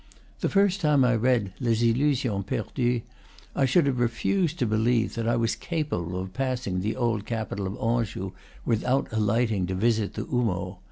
The first time I read "Les Illusions Perdues" I should have refused to believe that I was capable of passing the old capital of Anjou without alighting to visit the Houmeau.